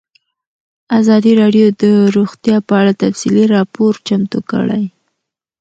ازادي راډیو د روغتیا په اړه تفصیلي راپور چمتو کړی.